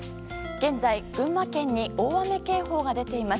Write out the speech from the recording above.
現在、群馬県に大雨警報が出ています。